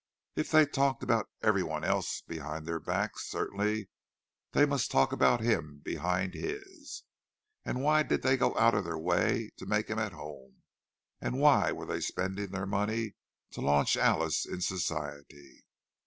If they talked about every one else behind their backs, certainly they must talk about him behind his. And why did they go out of their way to make him at home, and why were they spending their money to launch Alice in Society?